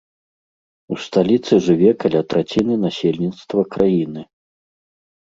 У сталіцы жыве каля траціны насельніцтва краіны.